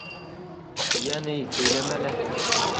— Йә, ни, һөйләмә лә.